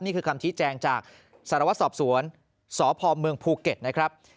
นี่คือคำชี้แจงจากสารวัตรสอบสวนสพเมืองภูเก็ตนะครับ